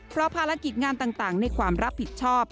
เพราะภารกิจงานต่างในความรับผิดชอบ